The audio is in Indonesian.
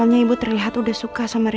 soalnya ibu terlihat udah suka sama ria